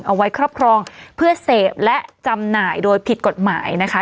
เอาไว้ครอบครองเพื่อเสพและจำหน่ายโดยผิดกฎหมายนะคะ